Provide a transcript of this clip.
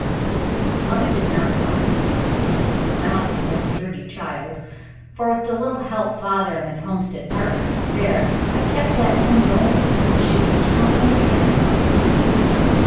But mother did not die. I must have been a sturdy child; for, with the little help father and his homestead partner could spare, I kept that home going until she was strong again.